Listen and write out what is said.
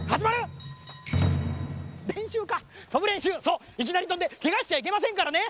そういきなりとんでけがしちゃいけませんからね。